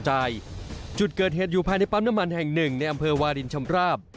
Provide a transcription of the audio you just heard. จุดเกิดเหตุอยู่ภายในปั๊มน้ำมันแห่งหนึ่งในอำเภอวาลินชำราบ